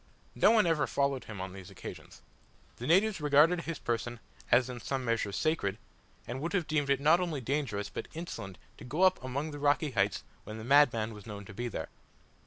No one ever followed him on these occasions. The natives regarded his person as in some measure sacred, and would have deemed it not only dangerous but insolent to go up among the rocky heights when the madman was known to be there.